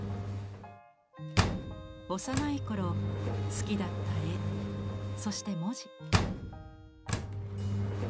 幼い頃好きだった絵そして文字。